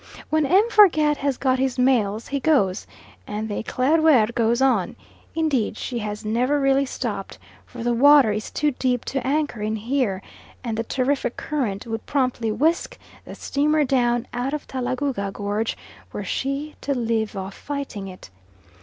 When M. Forget has got his mails he goes, and the Eclaireur goes on; indeed, she has never really stopped, for the water is too deep to anchor in here, and the terrific current would promptly whisk the steamer down out of Talagouga gorge were she to leave off fighting it.